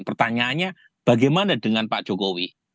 pertanyaannya bagaimana dengan pak jokowi